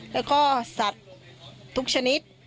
แล้วก็สัตว์ทุกชนิด